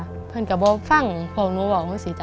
เพื่อนกับว่าฟั่งเพิ่งเว้าออกมูสิจ๊ะ